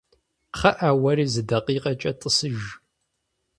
КхъыӀэ, уэри зы дакъикъэкӀэ тӀысыж.